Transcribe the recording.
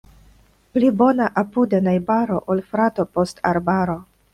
Pli bona apude najbaro, ol frato post arbaro.